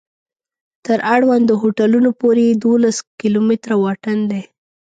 تر اړوندو هوټلونو پورې یې دولس کلومتره واټن دی.